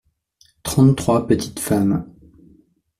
Trente-trois petites femmes.